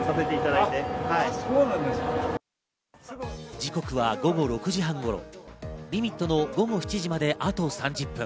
時刻は午後６時半頃、リミットの午後７時まであと３０分。